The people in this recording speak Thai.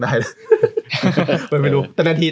ไม่รู้